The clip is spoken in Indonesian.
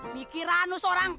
mikiran lu seorang kak